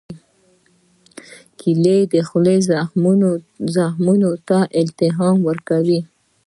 کېله د خولې زخمونو ته التیام ورکوي.